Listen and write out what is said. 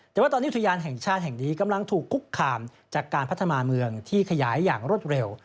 แต่ว่าตอนนี้อุทยานแห่งชาติแห่งนี้กำลังถูกคุกคามจากการพัฒนาเมืองที่ขยายอย่างรวดเร็ว